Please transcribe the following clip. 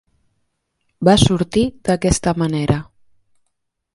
Va sortir d'aquesta manera.